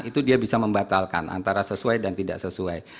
itu dia bisa membatalkan antara sesuai dan tidak sesuai